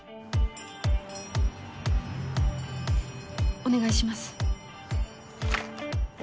お願いします。